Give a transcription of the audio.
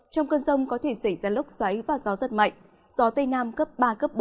trong cơn rông có thể xảy ra lốc xoáy và gió rất mạnh gió tây nam cấp ba cấp bốn